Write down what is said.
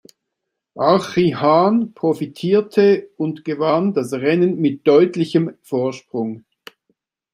Archie Hahn profitierte und gewann das Rennen mit deutlichem Vorsprung.